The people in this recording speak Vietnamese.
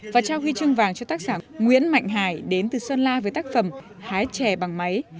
và trao huy chương vàng cho tác giả nguyễn mạnh hải đến từ sơn la với tác phẩm hái trẻ bằng máy